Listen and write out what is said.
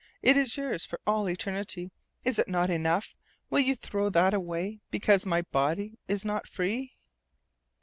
It is yours for all eternity. Is it not enough? Will you throw that away because my body is not free?"